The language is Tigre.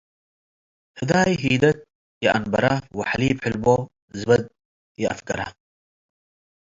. ህዳይ ሂደት ይአንበረ ወሐሊብ ሕልቦ ዝበድ ይአፍገረ፣